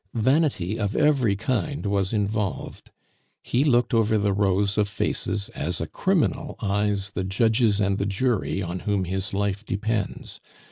Vanity of every kind was involved. He looked over the rows of faces as a criminal eyes the judges and the jury on whom his life depends.